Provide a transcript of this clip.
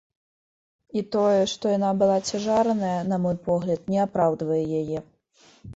І тое, што яна была цяжарная, на мой погляд, не апраўдвае яе.